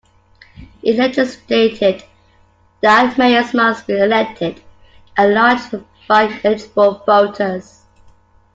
It legislated that mayors must be elected at large by eligible voters.